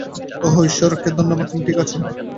ওহ, ঈশ্বরকে ধন্যবাদ তুমি ঠিক আছো।